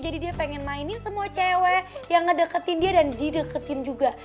jadi dia pengen mainin semua cewek yang ngedeketin dia dan dideketin juga